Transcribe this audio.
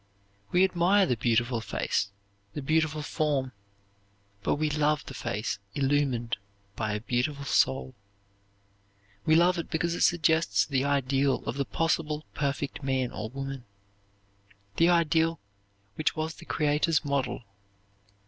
We admire the beautiful face, the beautiful form, but we love the face illumined by a beautiful soul. We love it because it suggests the ideal of the possible perfect man or woman, the ideal which was the Creator's model.